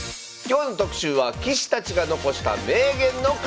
今日の特集は棋士たちが残した名言の数々。